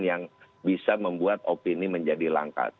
yang bisa membuat opini menjadi langka